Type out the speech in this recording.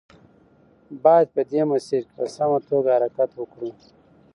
باید په دې مسیر کې په سمه توګه حرکت وکړو.